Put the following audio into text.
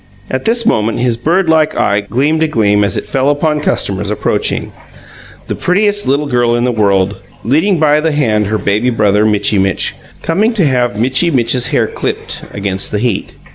At this moment his birdlike eye gleamed a gleam as it fell upon customers approaching: the prettiest little girl in the world, leading by the hand her baby brother, Mitchy Mitch, coming to have Mitchy Mitch's hair clipped, against the heat.